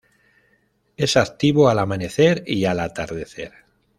Es activo al amanecer y al atardecer.